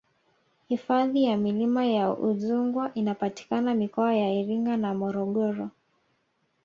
hifadhi ya milima ya udzungwa inapatikana mikoa ya iringa na morogoro